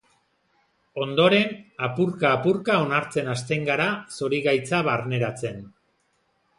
Ondoren, apurka, apurka onartzen hasten gara, zorigaitza barneratzen.